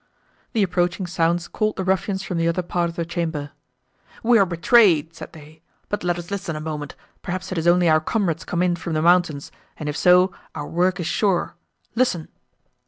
The approaching sounds called the ruffians from the other part of the chamber. "We are betrayed," said they; "but let us listen a moment, perhaps it is only our comrades come in from the mountains, and if so, our work is sure; listen!"